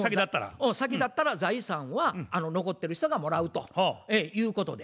先立ったら財産は残ってる人がもらうということで。